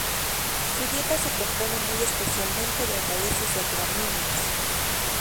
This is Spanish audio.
Su dieta se compone muy especialmente de raíces de gramíneas.